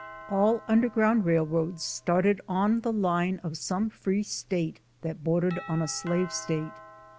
All underground railroads started on the line of some free state that bordered on a slave state.